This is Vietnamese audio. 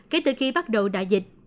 kể từ khi bắt đầu đại dịch